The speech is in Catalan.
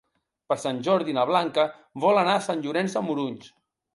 Per Sant Jordi na Blanca vol anar a Sant Llorenç de Morunys.